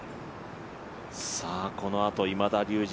このあと今田竜二